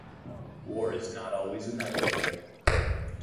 War is not always inevitable.